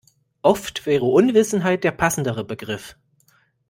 Oft wäre Unwissenheit der passendere Begriff.